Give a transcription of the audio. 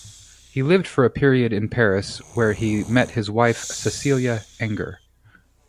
He lived for a period in Paris, where he met his wife, Cecilia Enger.